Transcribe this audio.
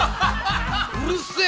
うるせえ！